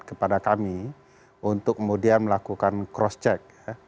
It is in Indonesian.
kepada kami untuk kemudian melakukan cross check